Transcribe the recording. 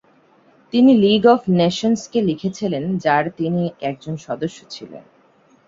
তিনি League of নেশনসকে লিখেছিলেন, যার তিনি একজন সদস্য ছিলেন।